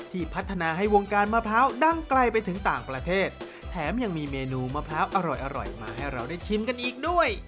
พัฒนาให้วงการมะพร้าวดั้งไกลไปถึงต่างประเทศแถมยังมีเมนูมะพร้าวอร่อยมาให้เราได้ชิมกันอีกด้วย